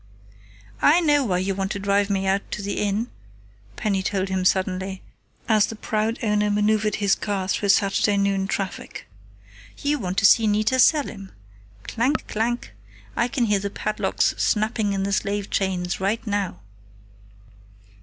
"I know why you want to drive me out to the Inn," Penny told him suddenly, as the proud owner maneuvered his car through Saturday noon traffic. "You want to see Nita Selim. Clank! Clank! I can hear the padlocks snapping on the slave chains right now."